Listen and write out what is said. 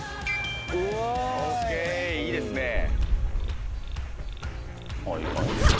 うおいＯＫいいですねああいい感じ